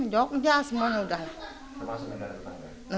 jogja semuanya udah lah